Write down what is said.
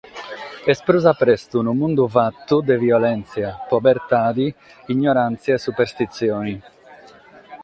Est prus a prestu unu mundu fatu de violèntzia, povertade, ignoràntzia e superstitzione.